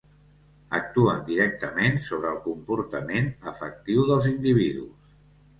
Actuen directament sobre el comportament afectiu dels individus.